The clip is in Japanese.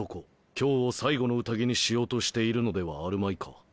今日を最後の宴にしようとしているのではあるまいか？